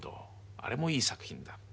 あれもいい作品だ。